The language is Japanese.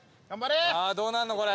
・どうなんのこれ？